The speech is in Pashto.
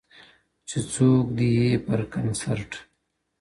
چي څوک دي ئې پر کنسرټ